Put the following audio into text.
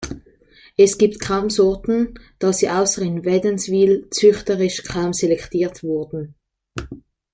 Es gibt kaum Sorten, da sie, außer in Wädenswil züchterisch kaum selektiert wurden.